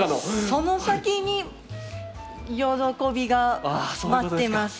その先に喜びが待ってます。